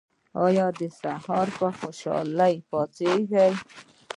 ایا سهار په خوشحالۍ پاڅیږئ؟